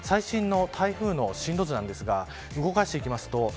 最新の台風の進路図ですが動かしていきましょう。